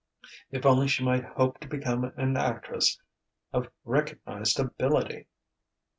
If only she might hope to become an actress of recognized ability!...